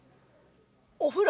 お風呂。